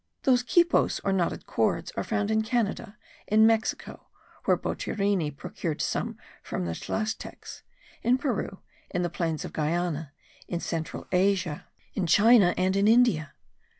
These quipos or knotted cords are found in Canada, in Mexico (where Boturini procured some from the Tlascaltecs), in Peru, in the plains of Guiana, in central Asia, in China, and in India.